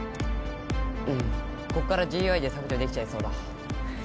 こっから ＧＵＩ で削除できちゃいそうだ